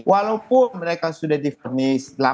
walaupun mereka sudah di furnis